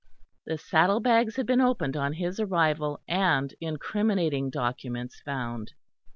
The saddle bags had been opened on his arrival, and incriminating documents found.